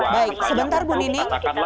baik sebentar bu nini